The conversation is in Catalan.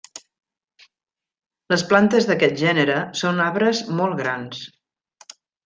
Les plantes d'aquest gènere són arbres molt grans.